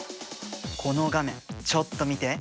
この画面ちょっと見て。